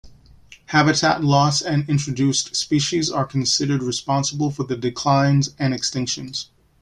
Habitat loss and introduced species are considered responsible for the declines and extinctions.